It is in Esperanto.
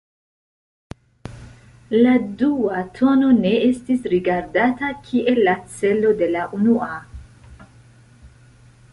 La dua tono ne estis rigardata kiel la 'celo' de la unua.